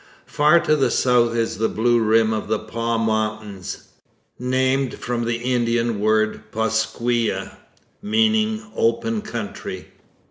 Far to the south is the blue rim of the Pas mountain, named from the Indian word Pasquia, meaning open country.